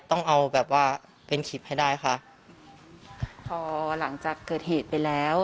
ต้องเอาแบบว่าเป็นคลิปให้ได้ค่ะพอหลังจากเกิดเหตุไปแล้ว